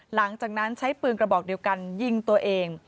หลังจากนั้นใช้ปืนกระบอกเดียวกันยิงตัวเอง